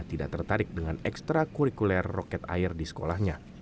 tidak tertarik dengan ekstra kurikuler roket air di sekolahnya